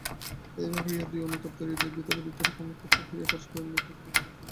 এই ভাবিয়া দুই অনুতপ্ত হৃদয় ভিতরে ভিতরে ক্ষমাপ্রার্থী হইয়া পরস্পরের অত্যন্ত নিকটবর্তী হইল।